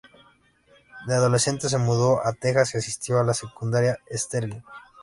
De adolescente, se mudó a Texas y asistió a la secundaria Sterling.